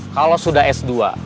kalau sudah s dua